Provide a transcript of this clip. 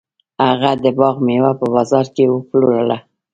هغه د باغ میوه په بازار کې وپلورله.